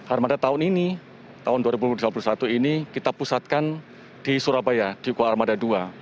armada tahun ini tahun dua ribu dua puluh satu ini kita pusatkan di surabaya di kua armada dua